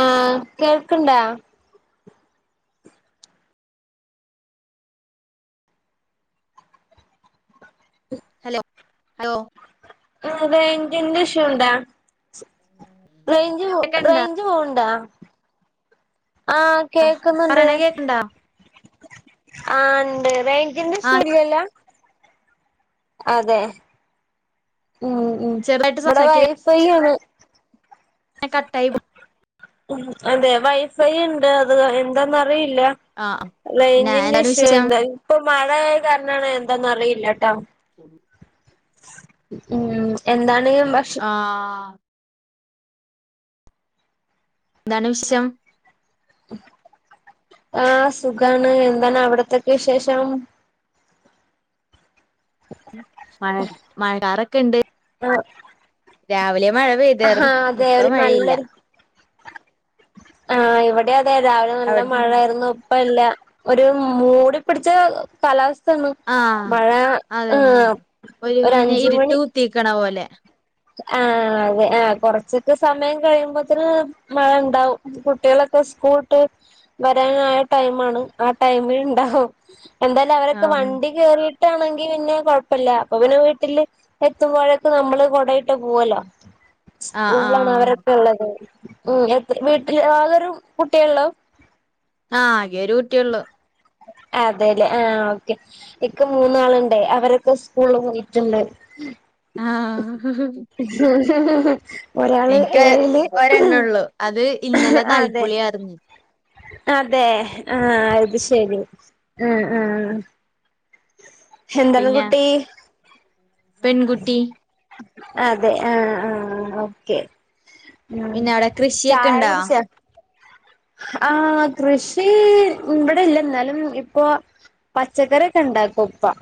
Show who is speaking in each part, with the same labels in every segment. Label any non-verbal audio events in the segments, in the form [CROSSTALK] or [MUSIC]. Speaker 1: ആഹ് കേൾക്ക്ണ്ടാ
Speaker 2: hello hello
Speaker 1: ആഹ് റൈഞ്ചിന്റെ ഇഷ്യൂണ്ടോ റൈഞ്ച് റൈ
Speaker 2: കേക്ക്ണ്ടാ
Speaker 1: ഞ്ച് പോവ്ണ്ടോ ആഹ് കേക്ക്ന്ന്ണ്ട്
Speaker 2: പറയണ കേക്ക്ണ്ടാ
Speaker 1: ആഹ് ണ്ട് റായ്ഞ്ചിന്റെ
Speaker 2: ആഹ്
Speaker 1: ഇഷ്യൂല്ലലോ അതെ ഉം ഉം
Speaker 2: ചെറുതായിട്ട്
Speaker 1: ഇവിടെ
Speaker 2: സംസാരിക്കണ
Speaker 1: വൈഫൈയാണ്
Speaker 2: കട്ടായി പോയി
Speaker 1: ഉം അതെ വൈഫൈയിണ്ട് അത് എന്താന്ന് അറിയില്ല
Speaker 2: ആഹ് പിന്നെ
Speaker 1: ലൈനിന്റെ
Speaker 2: എന്താണ്
Speaker 1: ഇഷ്യൂ
Speaker 2: വിശേഷം
Speaker 1: [UNINTELLIGIBLE] ഇപ്പൊ മഴയായകാരനാണ് എന്തന്ന് അറിയില്ലട്ടാ ഉം എന്താണ് ഭക്ഷ
Speaker 2: ആഹ് ഇന്താണ് വിശം
Speaker 1: ആഹ് സുഖാണ് എന്താണ് അവിടത്തേക്കെ വിശേഷം
Speaker 2: മഴ മഴ കാറൊക്കെണ്ട്
Speaker 1: [UNINTELLIGIBLE]
Speaker 2: രാവിലെ മഴ പെയ്തർന്ന്
Speaker 1: ആഹ് അതെ
Speaker 2: ഇപ്പ
Speaker 1: ഒരു
Speaker 2: മഴയില്ല
Speaker 1: നല്ലൊരു ആഹ് ഇവടേം അതെ രാവിലെ നല്ല
Speaker 2: അവിടെ
Speaker 1: മഴയായ്ര്ന്നു ഇപ്പല്ല ഒരു മൂടി പിടിച്ച കലവസ്
Speaker 2: ആഹ്
Speaker 1: മഴ
Speaker 2: അതന്നെ
Speaker 1: ആഹ് ഒരഅഞ്ച് മണി
Speaker 2: ക്കണവോല്ലേ
Speaker 1: ആഹ് അതെ ആഹ് കൊറച്ചൊക്കെ സമയം കഴിയുമ്പോത്തിന് മഴണ്ടാവും കുട്ടികളൊക്കെ സ്കൂൾട്ട് വരാനായ ടൈമാണ് ആ ടൈമിൽ ഇണ്ടാവും എന്താലും അവരൊക്കെ
Speaker 2: ആഹ്
Speaker 1: വണ്ടി കേറി ട്ടആണെങ്കി പിന്നെ കുഴപ്പല്ല അപ്പൊ പിന്നെ വീട്ടിൽ എത്തുമ്പോഴേക്ക് നമ്മള് കൊട ട്ട് പോവല്ലോ
Speaker 2: ആഹ്
Speaker 1: സ്കൂളാണ്
Speaker 2: ആഹ്
Speaker 1: അവരൊക്കെ ഉള്ളത് ഉം എത്ര വീട്ടിൽ ആകൊരു കുട്ടിയള്ളു
Speaker 2: ആഹ് ആകെരു കുട്ടിയള്ളൂ
Speaker 1: അതെല്ലേ ആഹ് ഓക്കെ ഇക്ക് മൂന്നാളുണ്ടേയ് അവരൊക്കെ സ്കൂളിൽ പോയിട്ട്ണ്ട്
Speaker 2: ആഹ്
Speaker 1: [UNINTELLIGIBLE]
Speaker 2: എനിക്ക്
Speaker 1: ഏഴില്
Speaker 2: ഒരെണേള്ളു അത് ഇന്നലെ
Speaker 1: അതെ
Speaker 2: നൽപ്പുളിയറിഞ്ഞ്
Speaker 1: അതെ ആഹ് അത്ശെരി ഉം ഉം ഹെന്താണ്
Speaker 2: പിന്നെ
Speaker 1: കുട്ടി
Speaker 2: പെൺകുട്ടി
Speaker 1: അതെ ആഹ് ആഹ് ഓക്കെ ഉം
Speaker 2: പിന്നെ അവടെ കൃഷിയൊക്കെ
Speaker 1: ചായ
Speaker 2: ഇണ്ട
Speaker 1: കുടിച്ചോ ആഹ് കൃഷി ഇവിടെ ഇല്ല എന്നാലും ഇപ്പൊ പച്ചക്കറൊക്കെ ഇണ്ടാക്കുപ്പ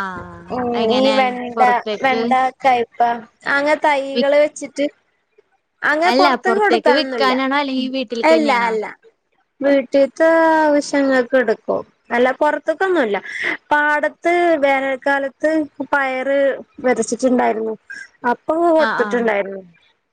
Speaker 2: ആഹ്
Speaker 1: ഉ ഈ
Speaker 2: എങ്ങനെ
Speaker 1: വെണ്ട
Speaker 2: പുറത്തേക്ക്
Speaker 1: വെണ്ട കയ്പാ അങ്ങനെ
Speaker 2: വി
Speaker 1: തൈകള് വെച്ചിട്ട് അങ്ങനെ
Speaker 2: അല്ല
Speaker 1: പുറത്ത്ക്ക്
Speaker 2: പുറത്തേക്ക്
Speaker 1: കൊടുക്കാനൊന്നുല്ല
Speaker 2: വിൽക്കാനാണോ അല്ലെങ്കിൽ വീട്ടിൽക്ക്
Speaker 1: അല്ല
Speaker 2: തന്നെയാണോ
Speaker 1: അല്ല വീട്ടിലത്തെ ആവശ്യങ്ങൾക്ക് എടുക്കും അല്ല പുറത്തക്കൊന്നുമല്ല പാടത്ത് വേനൽക്കാലത്ത് പയറ് വിതച്ചിട്ടുണ്ടായിരുന്നു അപ്പൊ
Speaker 2: ആഹ്
Speaker 1: കൊടുത്തിട്ടുണ്ടായിരുന്നു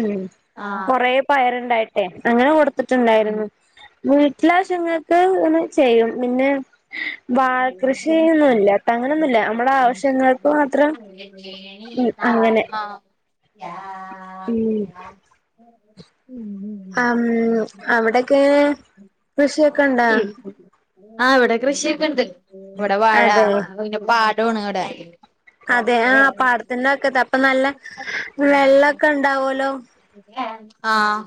Speaker 1: ഉം
Speaker 2: ആഹ് ആഹ്
Speaker 1: കൊറെ പയർണ്ടായിട്ടെ അങ്ങനെ കൊടുത്തിട്ടുണ്ടായിരുന്നു വീട്ടിലാവശങ്ങൾക്ക് ഒന്ന് ചെയ്യും പിന്നെ വാഴ കൃഷിയൊന്നുല്ല അങ്ങനൊന്നുല്ല നമ്മടെ ആവശ്യങ്ങൾക്ക് മാത്രം ഉം അങ്ങനെ ഉം
Speaker 2: ആ
Speaker 1: ഉം അവിടൊക്കെ കൃഷിയൊക്കെ ഉണ്ടാ?
Speaker 2: ആ ഇവിടെ കൃഷിയൊക്കെ ഇണ്ട് ഇവിടെ വാഴ
Speaker 1: അതെ
Speaker 2: പിന്നെ പാടമാണ് ഇവിടെ
Speaker 1: അതെ
Speaker 2: കൊക്കെ
Speaker 1: ആഹ പാടത്തിന്റെ ഒക്കെത അപ്പൊ നല്ല വെള്ളമൊക്കെ ഉണ്ടാവല്ലോ
Speaker 2: ആഹ്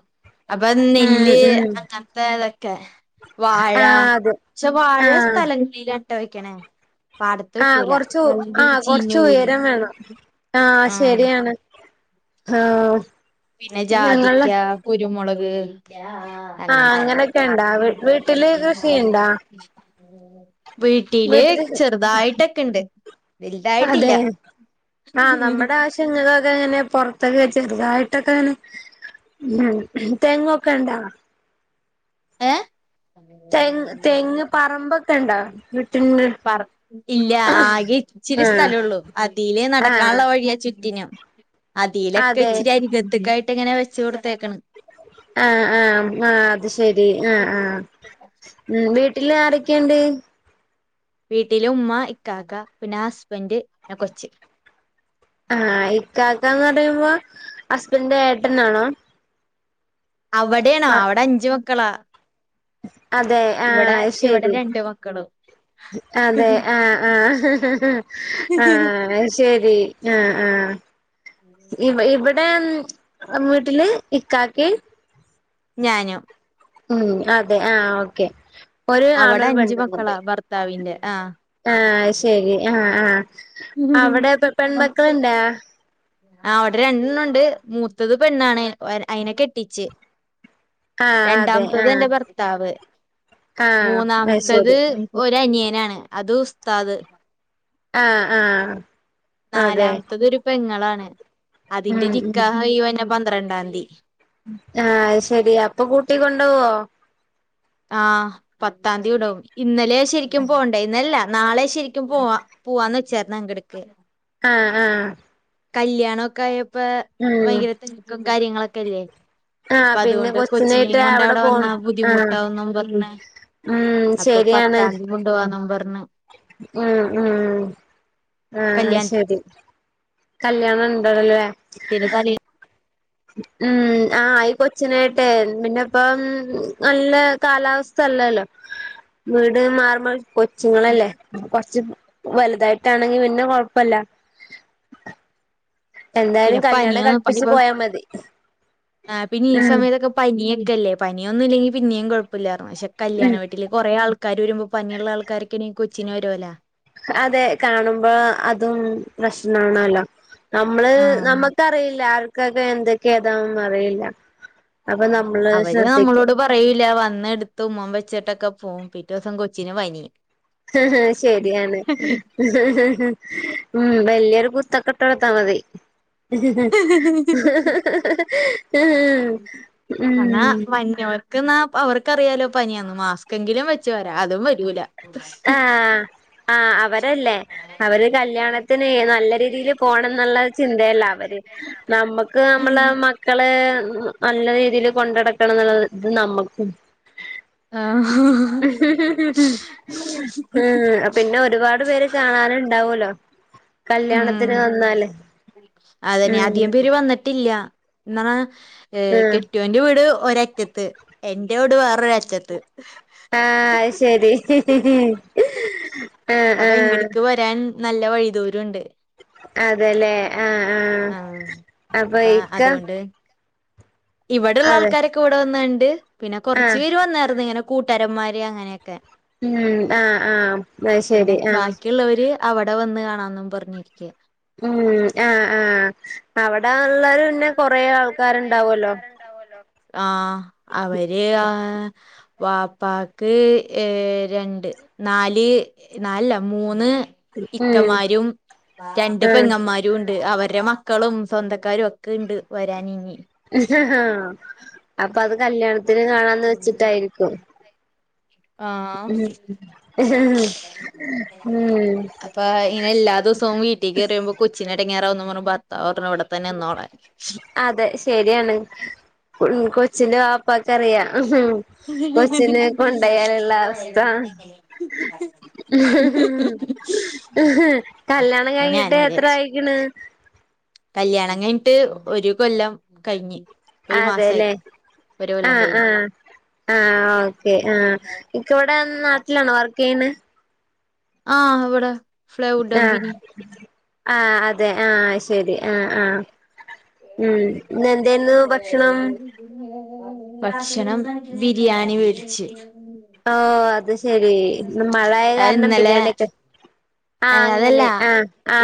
Speaker 2: അപ്പ
Speaker 1: ഉം
Speaker 2: നെല്ല്
Speaker 1: ഉം
Speaker 2: അങ്ങത്തതൊക്കെ വാഴ
Speaker 1: ആ അതെ
Speaker 2: പക്ഷെ വാഴ
Speaker 1: ആ
Speaker 2: സ്ഥലങ്ങളിലാട്ടോ വെക്കണേ പാടത്ത്
Speaker 1: ആ
Speaker 2: വെക്കൂല
Speaker 1: കൊറച്ച്
Speaker 2: വെള്ള ചീഞ്ഞ പോവൂലേ
Speaker 1: ആഹ് ശരിയാണ് ആഹ്
Speaker 2: പിന്നെ ജാതിക്ക കുരുമുളക്
Speaker 1: ആ
Speaker 2: അനങ്ങനെ
Speaker 1: അങ്ങനൊക്കെ ഇണ്ടാ വീട്ടില് കൃഷിയിണ്ടാ
Speaker 2: വീട്ടില് ചെറുതായിട്ടൊക്കെണ്ട് വലുതായിട്ടില്ല ഉം ഹ്
Speaker 1: ചങ്ങളൊക്കെ ഇങ്ങനെ പുറത്തൊക്കെ ചെറുതായിട്ടൊക്കെയാണ് ഉം തെങ്ങൊക്കെ ഉണ്ടാ?
Speaker 2: ഏഹ്
Speaker 1: തെങ്ങ് തെങ്ങ് പറമ്പൊക്കെ ഇണ്ടാ?
Speaker 2: പറ ഇല്ല ആകെ ഇച്ചിരി
Speaker 1: ആഹ്
Speaker 2: സ്ഥലമള്ളൂ അതിലേ
Speaker 1: ആഹ്
Speaker 2: നടക്കാനുള്ള വഴിയാ ചുറ്റിന് അതിലൊക്കെ
Speaker 1: അതെ
Speaker 2: ഇച്ചിരി അരിഗത്തക്കായിട്ട് ഇങ്ങനെ വെച്ച കൊടുത്തേക്കണ്
Speaker 1: ആഹ് ആഹ് ആ അത് ശരി ആഹ് ആഹ് ഉം വീട്ടില് ആരൊക്കെയണ്ട്
Speaker 2: വീട്ടില് ഉമ്മ ഇക്കാക്ക പിന്നെ ഹസ്ബൻഡ് ന്നെ കൊച്ച്
Speaker 1: ആഹ് ഇക്കാക്കന്ന് പറയുമ്പോ ഹസ്ബൻഡന്റെ ഏട്ടനാണോ?
Speaker 2: അവിടെയാണോ
Speaker 1: ആഹ്
Speaker 2: അവിടെ അഞ്ചു മക്കളാ
Speaker 1: അതെ
Speaker 2: ഇവിടെ
Speaker 1: ആഹ്
Speaker 2: ഇവിടെ
Speaker 1: ശരി
Speaker 2: രണ്ട് മക്കളും
Speaker 1: അതെ ആഹ് ആഹ് ആത് ശരി ആഹ് ആഹ് ഇ ഇവിടെ വീട്ടില് ഇക്കാക്കേം?
Speaker 2: ഞാനും
Speaker 1: ഉം അതെ ആ ഓക്കെ ഒരു ആണും
Speaker 2: അവിടെ
Speaker 1: ഒരു
Speaker 2: അഞ്ചു
Speaker 1: പെണ്ണും ഉണ്ട്
Speaker 2: മക്കളാ ഭർത്താവിന്റെ ആ
Speaker 1: ആഹ് ശരി ആ ആ അവിടെ ഇപ്പ പെൺമക്കളുണ്ടാ?
Speaker 2: ആ അവിടെ രണ്ടെണ്ണുണ്ട് മൂത്തത് പെണ്ണാണ് അയിനെ കെട്ടിച്ച്
Speaker 1: ആഹ് അതെ
Speaker 2: രണ്ടാമത്തത്
Speaker 1: ആഹ്
Speaker 2: എന്റെ ഭർത്താവ്
Speaker 1: ആഹ് അത്
Speaker 2: മൂന്നാമത്തത്
Speaker 1: ശരി
Speaker 2: ഒരനിയനാണ് അത് ഉസ്താത്
Speaker 1: ആഹ് ആഹ് അതെ
Speaker 2: നാലാമത്തത് ഒരു പെങ്ങളാണ് അതിന്റെ
Speaker 1: ഉം ഉം
Speaker 2: നിക്കാഹ് ഈ പറഞ്ഞ പന്ത്രണ്ടാംയതി
Speaker 1: ആഹ് ശരി അപ്പൊ കൂട്ടി കൊണ്ടോവുവോ
Speaker 2: ആഹ് പത്താം തീയതി ഉടവും ഇന്നലെ ശരിക്കും പോണ്ടേ ഇന്നല്ല നാളെ ശരിക്കും പോവാ പോ പോവ്വാനെച്ചര്ക് അങ്ങടിക്
Speaker 1: ആഹ് ആഹ്
Speaker 2: കല്യാണൊക്കെ ആയപ്പോ
Speaker 1: ഉം
Speaker 2: ഭയങ്കര തെരക്കും കാര്യങ്ങളൊക്കെല്ലേ?
Speaker 1: ആഹ്
Speaker 2: അപ്പൊ
Speaker 1: പിന്നെ
Speaker 2: അതുകൊണ്ട്
Speaker 1: കൊച്ചിനായിട്ട്
Speaker 2: കൊച്ചിനെയും കൊണ്ട് അവിടെ
Speaker 1: പോൺ
Speaker 2: വന്നാ ബുദ്ധിമുട്ട്
Speaker 1: ആഹ്
Speaker 2: ട്ടാവും പറഞ്ഞ്
Speaker 1: ഉം
Speaker 2: അപ്പൊ
Speaker 1: ശരിയാണ്
Speaker 2: പത്താംതി കൊണ്ടോകാന്നും പറഞ്
Speaker 1: ഉം ഉം ആഹ്
Speaker 2: കല്യാണത്തിന്റെ
Speaker 1: ശരി കല്യാണം ഉണ്ടടുവല്ലേ?
Speaker 2: പിന്നെ തലേ
Speaker 1: ഉം ആ ഈ കൊച്ചിനായിട്ടെ പിന്നെ ഇപ്പം നല്ല കാലാവസ്ഥയല്ലല്ലോ വീട് മാർമ കൊച്ചുങ്ങളല്ലേ കൊറച്ച് വലുതായിട്ടാണെങ്കി പിന്നെ കൊഴപ്പില്ല
Speaker 2: പിന്നെ
Speaker 1: എന്തായാലും
Speaker 2: പനിയ
Speaker 1: കല്യാണം
Speaker 2: പ
Speaker 1: കടുപ്പിച്ച് പോയാ മതി
Speaker 2: ആ പിന്നെ ഈ
Speaker 1: ഉം
Speaker 2: സമയത്തൊക്കെ പനിയൊക്കെല്ലേ പനിയൊന്നും ഇല്ലെങ്കി പിന്നെയും കുഴപ്പമില്ലായിരുന്നു പക്ഷെ കല്യാണ
Speaker 1: ഉം
Speaker 2: വീട്ടിൽ കൊറെ ആൾക്കാര് വരുമ്പം പനിയുള്ള ആൾക്കാരൊക്കെണെ കൊച്ചിന് വരുവോല്ലാ.
Speaker 1: അതെ. കാണുമ്പോ അതും പ്രശ്ണാണോല്ലോ. നമ്മള്
Speaker 2: ആഹ്
Speaker 1: നമ്മക്കറിയില്ല ആർക്കൊക്കെ എന്തൊക്കെ ഏതാന്നൊന്നും അറിയില്ല. അപ്പൊ
Speaker 2: അതന്നെ
Speaker 1: നമ്മള്
Speaker 2: അവര്
Speaker 1: ശ്രദ്ധിക്ക
Speaker 2: നമ്മളോട് പ റയൂല്ല. വന്ന് എടുത്ത് ഉമ്മ വെച്ചിട്ടൊക്കെ പോവും പിറ്റോസം കൊച്ചിന് പനി.
Speaker 1: ഹ് ഹ് ശരിയാണ് ഉം വല്യൊരു കുത്തൊക്കെ ഇട്ട് കൊടുത്താ മതി ഉം
Speaker 2: ക് ന്നാ അവർക്കറിയാലോ പനിയാന്ന് മാസ്ക്കെങ്കിലും വെച്ച് വരാ അതും വരൂല. ശ
Speaker 1: ആഹ് ആഹ് അവരല്ലേ അവര് കല്യാണത്തിന് നല്ല രീതീല് പോണം ന്നുള്ള ചിന്തയല്ല അവര് നമ്മക്ക് നമ്മളെ മ ക്കള് നല്ല രീതിയില് കൊണ്ടടക്കണം ന്നുള്ളത് ത് നമ്മക്കും
Speaker 2: ആ ഹു ഹു
Speaker 1: ഉ [UNINTELLIGIBLE] ഉം പിന്നെ ഒരുപാട് പേര് കാണാനുണ്ടാവൂല്ലോ കല്യാണത്തിന്
Speaker 2: ഉം
Speaker 1: വന്നാല്
Speaker 2: അതന്നെ
Speaker 1: ഉം
Speaker 2: അധികം പേര് വന്നിട്ടില്ല. ഇന്നണ
Speaker 1: ആഹ്
Speaker 2: കെ ട്ട്യോന്റെ വീട് ഒരറ്റത്ത്, എന്റെ വീട് വേറൊരറ്റത്ത്.
Speaker 1: ആഹ് അത് ശരി ആഹ് ആഹ്
Speaker 2: രാൻ നല്ല വൈദൂരൊണ്ട്.
Speaker 1: അതെല്ലെ
Speaker 2: ആഹ് അപ്പാ
Speaker 1: ഇക്ക
Speaker 2: അതുകൊണ്ട്. ഇവിടെള്ള
Speaker 1: അതെ
Speaker 2: ആൾക്കാരെ ക്ക ഇവിടെ വന്ന് കണ്ട്. പിന്നെ കൊറച്ചു
Speaker 1: ആഹ്
Speaker 2: പേര് വന്നായിരുന്ന് ഇങ്ങനെ കൂട്ടാരന്മാര് അങ്ങനെയൊക്കെ.
Speaker 1: ഉം ആഹ് ആഹ്. അഹ് ശരി. ആഹ്
Speaker 2: ക്കിള്ളവര് അവടെ വന്ന് കാണാന്നും പറഞ്ഞിരിക്ക്യാ.
Speaker 1: ഉം ആഹ് ആഹ്. അവിടെ ഉള്ളരു പിന്നെ കൊറേ ആൾക്കാരുണ്ടാവൊല്ലോ
Speaker 2: ആഹ് അവര് ആ വാപ്പാക്ക് ഏഹ് രണ്ട് നാല് നാലല്ല മൂന്ന്
Speaker 1: ഉം
Speaker 2: ഇക്കമാരും രണ്ട്
Speaker 1: ആഹ്
Speaker 2: പെങ്ങമ്മാ രൂണ്ട്. അവര്ടെ മക്കളും സ്വന്തക്കാരും ഒക്കെ ഇണ്ട് വരാൻ ഇനി.
Speaker 1: അപ്പൊ അത് കല്യാണത്തിന് കാണാന്ന് വെച്ചിട്ടായിരിക്കും
Speaker 2: ആഹ്
Speaker 1: ഉം ഉം
Speaker 2: അപ്പൊ ഇങ്നെ എല്ലാ ദിവസവും വീട്ടി കേറി മ്പോ കൊച്ചിനെടങ്ങേറാവുംന്ന് പറഞ്ഞ് ഭർത്താവ് പറഞ്ഞു ഇവിടെ തന്നെ നിന്നോളാൻ.
Speaker 1: അതെ ശരിയാണ്. ഉം കൊച്ചിന്റെ വാപ്പാക്കറിയാ. കൊച്ചിനെ കൊണ്ടയാലുള്ള അവസ്ഥ
Speaker 2: [UNINTELLIGIBLE]
Speaker 1: കല്യാണം
Speaker 2: അപ്പൊ
Speaker 1: കഴിഞ്ഞിട്ട്
Speaker 2: ഞാനും
Speaker 1: എത്ര
Speaker 2: വിചാരിച്ചു
Speaker 1: ആയിക്ണ്?
Speaker 2: കല്യാണം കഴിഞ്ഞിട്ട് ഒരു കൊല്ലം കഴിഞ്ഞ് ഒരു മാസായി
Speaker 1: അതെല്ലേ
Speaker 2: ഒരു കൊല്ലം
Speaker 1: ആഹ്
Speaker 2: കഴിഞ്ഞ്
Speaker 1: ആഹ് ആഹ് ഓക്കേ. ആഹ്. ഇക്ക വടെ നാട്ടിലാണോ വർക്കെയ്യ്ണെ?
Speaker 2: ആഹ് വടെ.
Speaker 1: ആഹ്. ആഹ് അതെ ആഹ് ശരി ആഹ് ആഹ് ഉം ഇന്ന് എന്തേ ന്ന് ഭക്ഷണം?
Speaker 2: ഭക്ഷണം വിരിയാണി വേടിച്ച്.
Speaker 1: ഓഹ് അത് ശെരി. ഇന്ന് മഴായ കാരണം ബിരിയാണി ഒക്കെ
Speaker 2: ഏയ് അതല്ല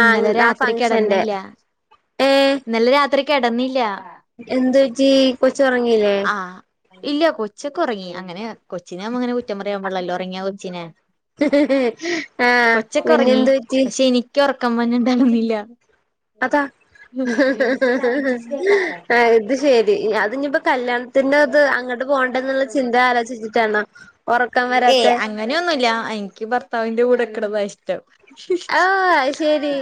Speaker 2: ഇന്നലെ
Speaker 1: ആ
Speaker 2: രാത്രി
Speaker 1: ഫംഗ്ഷന്റെ
Speaker 2: കെടന്നില്ല.
Speaker 1: ഏഹ്
Speaker 2: ഇന്നലെ രാത്രി കെടന്നില്ല
Speaker 1: എന്ത് പറ്റി? കൊച്ച് ഒറങ്ങിയില്ലേ?
Speaker 2: ആഹ് ഇല്ല. കൊച്ചൊക്കെ ഒറങ്ങി. അങ്ങനെ കൊച്ചിനെ നമ്മ അങ്ങനെ കുറ്റം പറയാൻ പാടില്ലല്ലോ ഒറങ്ങിയ കൊച്ചിനെ.
Speaker 1: ആഹ
Speaker 2: കൊച്ചൊക്കെ ഉറങ്ങി പക്ഷെ എനിക്ക് ഉറക്കം [UNINTELLIGIBLE]
Speaker 1: അതാ ഇത് ശരി [INAUDIBLE] കല്യാണത്തിന്റെ അത് അങ്ങോട്ട് പോകണ്ട എന്നുള്ള ചിന്ത ആലോചിച്ചിട്ടാണ്
Speaker 2: ഏയ് അങ്ങനെയൊന്നുമല്ല എനിക്ക് ഭർത്താവിന്റെ കൂടെ നീക്കണതാണ് ഇഷ്ടം
Speaker 1: ഓ ശരി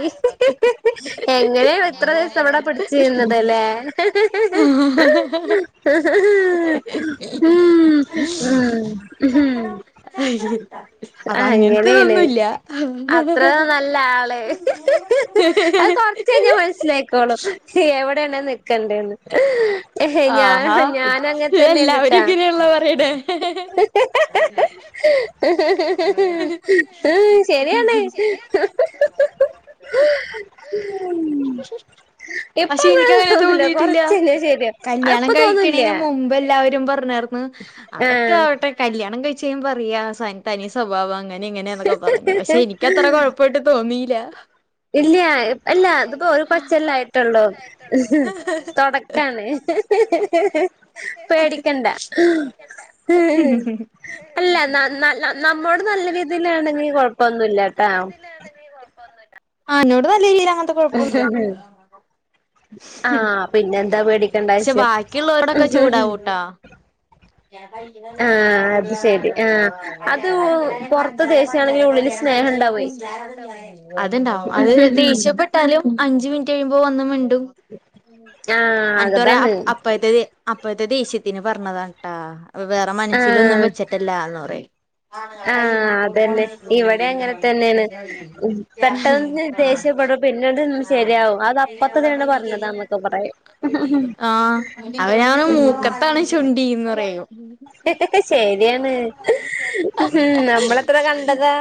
Speaker 1: എങ്ങനെയ ഇത്ര ദിവസം അവിടെ പിടിച്ചുന്നതല്ലേ ഉം ഹം ഉം ആ അങ്ങനെയാണ്
Speaker 2: ഹഹ
Speaker 1: അത്ര നല്ല ആള് അത് കുറച്ചു കഴിഞ്ഞാ മനസ്സിലാക്കോളു എവിടെയാണ് നിക്കണ്ടേന്ന് ഞാൻ
Speaker 2: ആഹാ
Speaker 1: ഞാൻ അങ്ങനെ
Speaker 2: ഇതെല്ലാവരും
Speaker 1: തന്നെയാണ്ട്ടാ
Speaker 2: ഇങ്ങനെയാണെല്ലോ പറയണേ
Speaker 1: ശരിയാണ്
Speaker 2: [UNINTELLIGIBLE] ശരിയാണ്
Speaker 1: ഇപ്പൊ
Speaker 2: പക്ഷെ എനിക്ക് അങ്ങനെ
Speaker 1: തോന്നില്ല
Speaker 2: തോന്നി -
Speaker 1: കൊറച്ചഴിഞ്ഞാ ശരിയാവും
Speaker 2: [INAUDIBLE]
Speaker 1: അത്
Speaker 2: കല്യാണം
Speaker 1: ഇപ്പൊ തോന്നൂല്ല
Speaker 2: കഴിക്കന് മുമ്പ് എല്ലാവരും പറഞ്ഞ അതൊക്കെ
Speaker 1: ആഹ്
Speaker 2: ആട്ടെ കല്യാണം കഴിച്ച് കഴിഞ്ഞ് അറിയാ തനി സ്വഭാവം അങ്ങനെ ഇങ്ങനെയന്നൊക്കെ പറഞ്ഞു പക്ഷെ എനിക്കത്ര കൊഴപ്പായിട്ട് തോന്നിയില്ല
Speaker 1: ഇല്ല എല്ല ഇതിപ്പോ ഒരു കുറച്ച് അല്ലെ ആയിട്ടുള്ളു തുടക്കാണ് പേടിക്കണ്ട
Speaker 2: [UNINTELLIGIBLE]
Speaker 1: അല്ല നല്ല നമ്മോട് നല്ല രീതിയില് ആ ണെങ്കിൽ കൊഴപ്പൊന്നുമല്ല ട്ടാ
Speaker 2: ആ എന്നോട് നല്ല ഇല്ലൽ അങ്ങനത്തെ കൊഴപ്പൊന്നില്ല
Speaker 1: ആഹ് പിന്നെ എന്താ
Speaker 2: പക്ഷെ
Speaker 1: പേടിക്കണ്ടാവശ്യം
Speaker 2: ബാക്കിയുള്ളവരോടൊക്കെ ചൂടാവൂട്ടാ [UNINTELLIGIBLE]
Speaker 1: ആഹ് അത് ശരി ആഹ് അത് പൊറത്ത് ദേഷ്യാണെങ്കില് ഉള്ളില് സ്നേഹണ്ടാവേ
Speaker 2: അത്ണ്ടാവും അത് ദേഷ്യ പെട്ട് ഇട്ടാലും അഞ്ച് മിനിറ്റ് കഴിയുമ്പോ വന്ന് മിണ്ടും
Speaker 1: ആഹ്
Speaker 2: എന്നിട്ട് പറയാ
Speaker 1: അതാണ്
Speaker 2: അപ്പായത്ത അപ്പഴത്തെ ദേഷ്യത്തിന് പറഞ്ഞതാ ട്ടാ വേറെ മനസ്സിലൊന്നും വെച്ചിട്ടില്ല എന്ന് പറയും
Speaker 1: ആഹ അതന്നെ ഇവിടെ അങ്ങനെ തന്നെയാണ് പെട്ടെന്ന് ദേഷ്യപ്പെടും പിന്നെത് ശരിയാവും അത് അപ്പത്തെ തന്നാണ് പറഞ്ഞതാണ് [UNINTELLIGIBLE]
Speaker 2: [INAUDIBLE] പറയോ
Speaker 1: ശരിയാണ് ഉ നമ്മളെത്ര കണ്ടതാ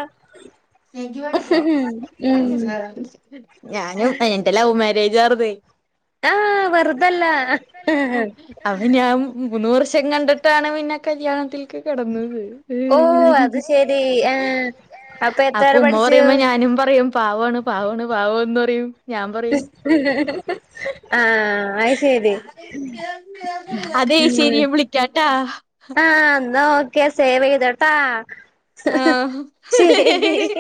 Speaker 1: ഉം
Speaker 2: ഞാനും എൻ്റെ ലൗ മാര്യേജ് ആര്ന്നു
Speaker 1: ആ വെറുതല്ല
Speaker 2: അവ ഞാൻ മൂന്നു വർഷം കണ്ടിട്ടാണ് പിന്നെ കല്യാണത്തിൽ
Speaker 1: ഓ അത് ശരി ആഹ്
Speaker 2: [UNINTELLIGIBLE]
Speaker 1: എത്ര
Speaker 2: അപ്പൊ
Speaker 1: വരെ
Speaker 2: ഉമ്മ
Speaker 1: പഠിച്ചു
Speaker 2: പറയുമ്പോ ഞാനും പറയും പാവാണ് പാവാണ് പാവന്ന് പറയും ഞാൻ പറയും
Speaker 1: ആഹ അയ്ശെരി.
Speaker 2: അതെ ശരി ഞാൻ വിളിക്കാട്ടാ.
Speaker 1: ആഹ ന്നാ ഓക്കെ സേവ് ചെയ്താട്ടാ. ശരി.
Speaker 2: ആഹ്